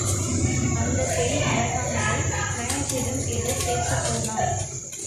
அந்தப் பெண் அழகானவள் மானேஜரிடம் ஏதோ பேசப் போனாள்.